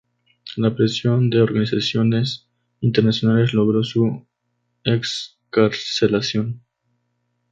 La presión de organizaciones internacionales logró su excarcelación.